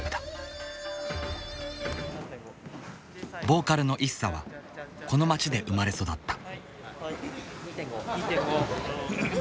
ボーカルのＩＳＳＡはこの町で生まれ育った。